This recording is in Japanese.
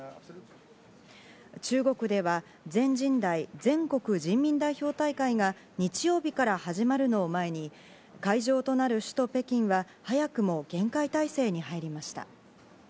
中国では全人代＝全国人民代表大会が日曜日から始まるのを前に、会場となる首都・北京は早くも厳戒態勢に入りました。